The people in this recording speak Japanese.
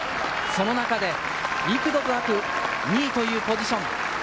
その中で幾度となく２位というポジション。